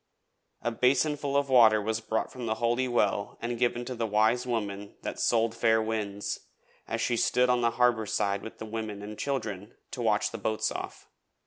A basinful of water was brought from the Holy Well and given to the Wise Woman that sold fair winds, as she stood on the harbour side with the women and children to watch the boats off.